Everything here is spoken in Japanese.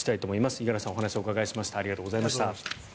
五十嵐さんにお話をお伺いしましたありがとうございました。